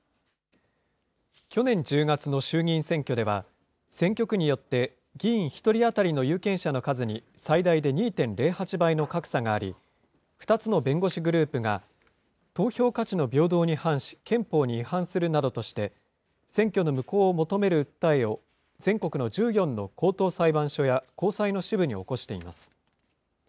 去年１０月の衆議院選挙では、選挙区によって議員１人当たりの有権者の数に最大で２．０８倍の格差があり、２つの弁護士グループが、投票価値の平等に反し、憲法に違反するなどとして、選挙の無効を求める訴えを、全国の１４の高等裁判所や高裁の支部に起こしています。